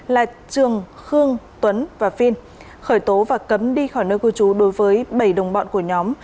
lạch trường khương tuấn và vin khởi tố và cấm đi khỏi nơi cưu trú đối với bảy đồng bọn của nhóm